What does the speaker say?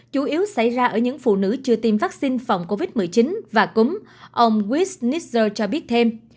chủ yếu xảy ra ở những phụ nữ chưa tiêm vaccine phòng covid một mươi chín và cúm ông wis nisser cho biết thêm